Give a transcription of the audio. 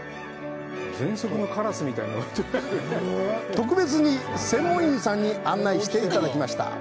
特別に専門員さんに案内していただきました。